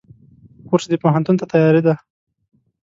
کورس د پوهنتون ته تیاری دی.